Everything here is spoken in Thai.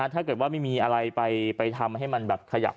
ถ้าเกิดว่าไม่มีอะไรไปทำให้มันแบบขยับ